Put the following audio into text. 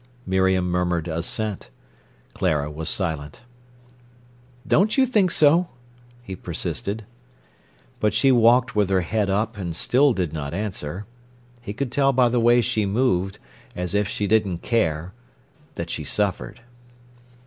Miriam murmured assent. Clara was silent. "Don't you think so?" he persisted. But she walked with her head up, and still did not answer. He could tell by the way she moved, as if she didn't care, that she suffered.